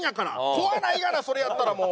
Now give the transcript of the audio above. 怖ないがなそれやったらもう。